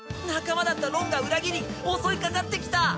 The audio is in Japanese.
仲間だったロンが裏切り襲いかかってきた！